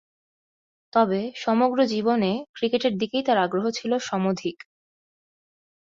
তবে, সমগ্র জীবনে ক্রিকেটের দিকেই তার আগ্রহ ছিল সমধিক।